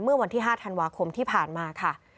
เมื่อวันที่๕ธันวาคมที่ผ่านมาค่ะ